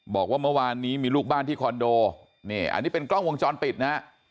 บอกว่าเมื่อวานนี้มีลูกบ้านที่คอนโดนี่อันนี้เป็นกล้องวงจรปิดนะฮะ